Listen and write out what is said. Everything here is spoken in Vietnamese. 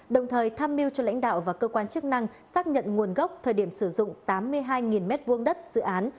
đồng thời tham mưu cho lãnh đạo và cơ quan chức năng xác nhận nguồn gốc thời điểm sử dụng tám mươi hai m hai đất dự án